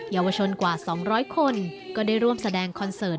ยาวชนกว่า๒๐๐คนก็ได้ร่วมแสดงคอนเสิร์ต